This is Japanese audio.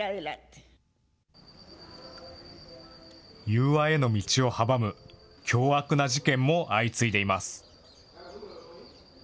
融和への道を阻む、凶悪な事件も相次いでいます。